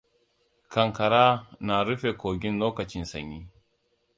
Ƙanƙara na rufe kogin lokacin sanyi.